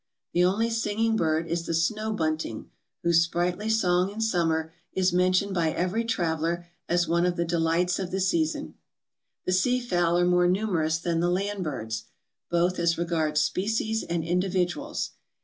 The only singing bird is the snow bunting, whose sprightly song in summer is mentioned by every traveler as one of the delights of the season. The sea fowl are more numerous than the land birds, both as regards species and individuals.